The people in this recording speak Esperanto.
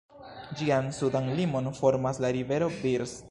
Ĝian sudan limon formas la rivero Birs.